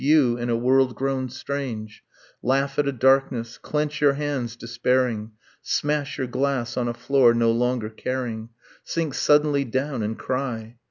. You, in a world grown strange, Laugh at a darkness, clench your hands despairing, Smash your glass on a floor, no longer caring, Sink suddenly down and cry